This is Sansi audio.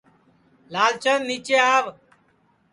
لال چند نِیچے آو